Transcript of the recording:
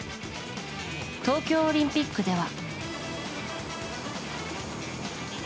東京オリンピックでは。